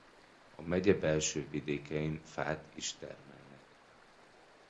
A megye belső vidékein fát is termelnek.